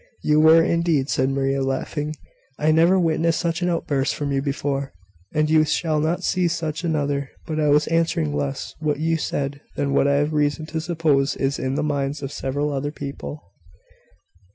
"You were, indeed," said Maria, laughing. "I never witnessed such an outburst from you before." "And you shall not see such another; but I was answering less what you said than what I have reason to suppose is in the minds of several other people."